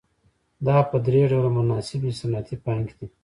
دا په درې ډوله مناسبې صنعتي پانګې دي